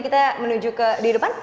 kita menuju ke di depan